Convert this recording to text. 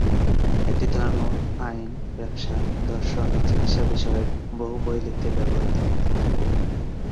এটি ধর্ম, আইন, ব্যবসা, দর্শন ও চিকিৎসা বিষয়ক বহু বই লিখতে ব্যবহৃত হত।